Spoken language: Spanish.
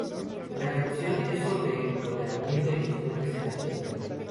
La canción es sobre el empoderamiento y el fuerte sentimiento.